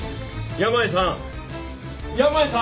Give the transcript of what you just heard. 山家さん！